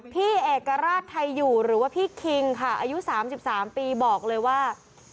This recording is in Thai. พี่เอกราชไทยอยู่หรือว่าพี่คิงค่ะอายุ๓๓ปีบอกเลยว่า